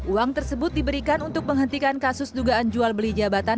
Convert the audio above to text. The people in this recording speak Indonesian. uang tersebut diberikan untuk menghentikan kasus dugaan jual beli jabatan